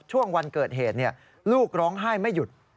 ช่วงวันเกิดเหตุลูกร้องไห้ไม่หยุด